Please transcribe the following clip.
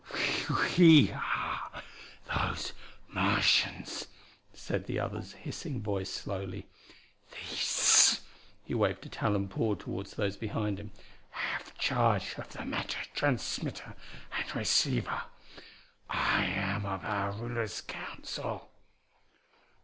"We are those Martians," said the other's hissing voice slowly. "These" he waved a taloned paw toward those behind him "have charge of the matter transmitter and receiver. I am of our ruler's council."